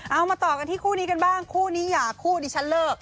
เอามาต่อกันที่คู่นี้กันบ้างคู่นี้อย่าคู่ดิฉันเลิก